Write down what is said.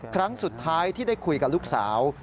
ครั้งสุดท้ายที่ได้คุยกับลูกสาว